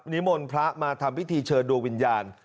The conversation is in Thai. นิมนต์พระมาทำพิธีเชิญดวงวิญญาณ